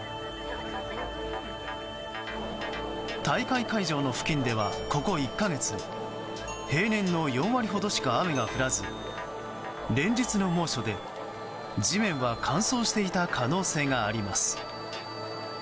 大会会場の付近では、ここ１か月平年の４割ほどしか雨が降らず連日の猛暑で、地面は乾燥していた可能性があります。